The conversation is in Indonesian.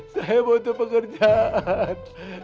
saya butuh pekerjaan